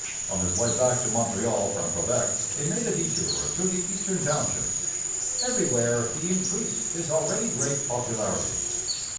On his way back to Montreal from Quebec he made a detour through the Eastern Townships. Everywhere he increased his already great popularity.